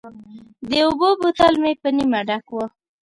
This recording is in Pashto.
د اوبو بوتل مې په نیمه ډک و.